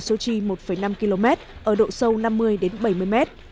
từ cách bờ biển sochi một năm km ở độ sâu năm mươi bảy mươi mét